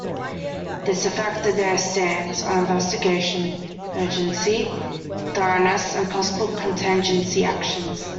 This affected their stance on investigation urgency, thoroughness and possible contingency actions.